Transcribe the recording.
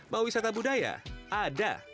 mau wisata budaya ada